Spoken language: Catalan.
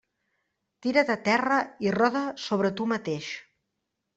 Tira't a terra i roda sobre tu mateix.